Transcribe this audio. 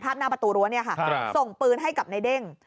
หน้าประตูรั้วเนี่ยค่ะส่งปืนให้กับในเด้ง